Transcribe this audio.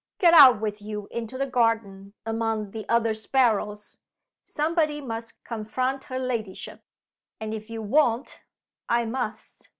Get out with you into the garden among the other sparrows! Somebody must confront her ladyship. And if you won't I must."